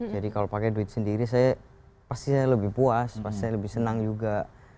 jadi kalau pakai duit sendiri saya pasti saya lebih puas pasti saya lebih senang juga